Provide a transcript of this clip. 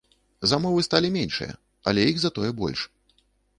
Замовы сталі меншыя, але іх затое больш.